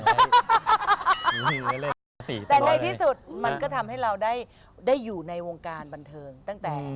แต่ในแต่ในที่สุดมันก็ทำให้เราได้อยู่ในวงการบันเทิงตั้งแต่